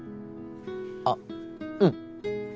あっうん。